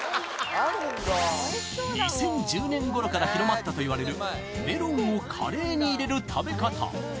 ２０１０年頃から広まったといわれるメロンをカレーに入れる食べ方